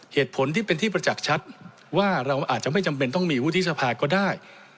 เหตุผลที่เป็นที่ประจักษ์ชัดว่าเราอาจจะไม่จำเป็นต้องมีวุฒิสภาก็ได้